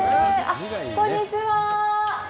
あっ、こんにちは。